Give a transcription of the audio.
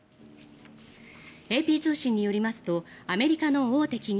ＡＰ通信によりますとアメリカの大手企業